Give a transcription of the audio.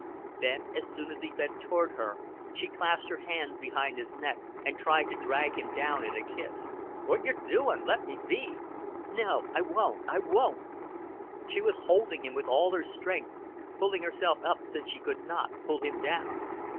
Then, as soon as he bent toward her, she clasped her hands behind his neck and tried to drag him down in a kiss. "What yer doin'? Let me be." "No, I won't. I won't." She was holding him with all her strength, pulling herself up since she could not pull him down.